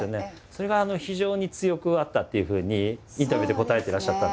それが非常に強くあったっていうふうにインタビューで答えてらっしゃったんですけど。